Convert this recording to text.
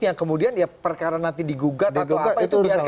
yang kemudian ya perkara nanti digugat atau apa itu biasanya